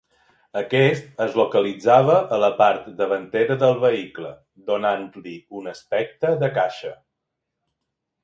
Aquest es localitzava a la part davantera del vehicle, donant-li un aspecte de caixa.